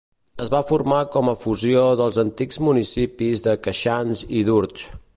Es va formar com a fusió dels antics municipis de Queixans i d'Urtx.